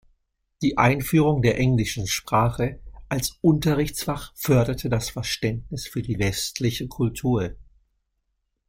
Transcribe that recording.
Die Einführung der englischen Sprache als Unterrichtsfach förderte das Verständnis für die westliche Kultur.